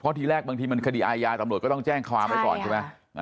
ทีแรกบางทีมันคดีอาญาตำรวจก็ต้องแจ้งความไว้ก่อนใช่ไหม